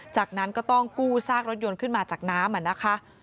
จากนั้นก็ต้องกู้ซากรถยนต์ขึ้นมาจากน้ำนะคะ